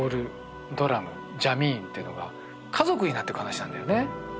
ドラムジャミーンってのが家族になってく話なんだよね